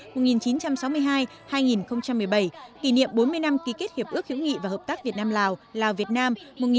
kỷ niệm bốn mươi năm ký kết hiệp ước hữu nghị và hợp tác việt nam lào lào việt nam một nghìn chín trăm bảy mươi bảy hai nghìn một mươi bảy